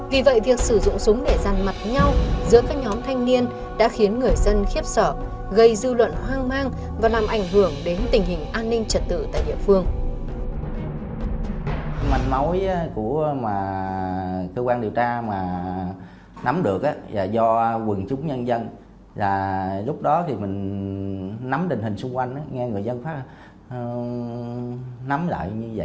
vì vậy việc sử dụng súng để gian mặt nhau giữa các nhóm thanh niên đã khiến người dân khiếp sở gây dư luận hoang mang và làm ảnh hưởng đến tình hình an ninh trật tự tại địa phương